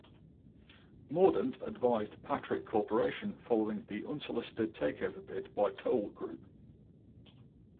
Mordant advised Patrick Corporation following the unsolicited takeover bid by Toll Group.